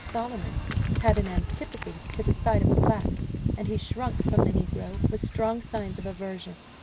Solomon had an antipathy to the sight of a black, and he shrunk from the negro with strong signs of aversion.